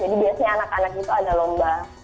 jadi biasanya anak anak itu ada lomba